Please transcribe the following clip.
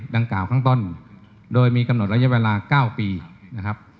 ดังกล่าวข้างต้นโดยมีกำหนดระยะเวลา๙ปีนะครับ